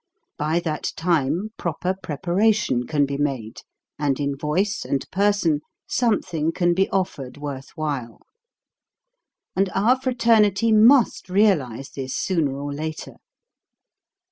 By that time proper prepa ration can be made, and in voice and person something can be offered worth while. And our fraternity must realize this sooner or later.